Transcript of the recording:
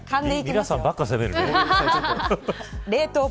ミラさんばっかり攻めるね。